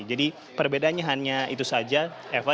jadi perbedaannya hanya itu saja eva